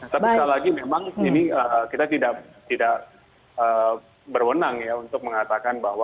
tapi sekali lagi memang ini kita tidak berwenang ya untuk mengatakan bahwa